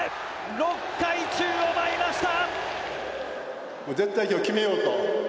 ６回、宙を舞いました！